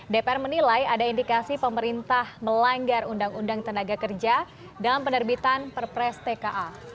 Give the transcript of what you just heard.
dpr menilai ada indikasi pemerintah melanggar undang undang tenaga kerja dalam penerbitan perpres tka